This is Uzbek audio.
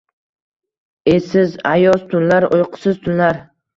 Esiz, ayoz tunlar, uyqusiz tunlar!..